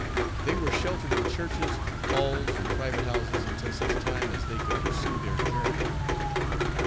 They were sheltered in churches, halls and private houses, until such time as they could pursue their journey.